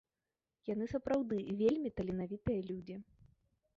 Яны сапраўды вельмі таленавітыя людзі.